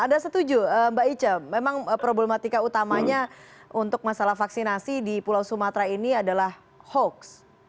anda setuju mbak ica memang problematika utamanya untuk masalah vaksinasi di pulau sumatera ini adalah hoax